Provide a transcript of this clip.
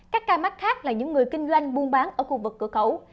các ca mắc khác là những người kinh doanh buôn bán ở khu vực cửa khẩu